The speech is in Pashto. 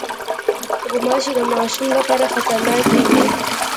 غوماشې د ماشومو لپاره خطرناکې وي.